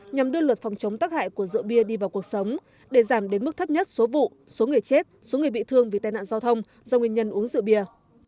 nhằm đưa luật phòng chống tắc hại của rượu bia đi vào cuộc sống để giảm đến mức thấp nhất số vụ số người chết số người bị thương vì tai nạn giao thông do nguyên nhân uống rượu bia